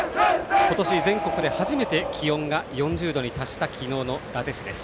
今年全国で初めて気温が４０度に達した昨日の伊達市です。